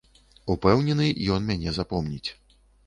Упэўнены, ён мяне запомніць.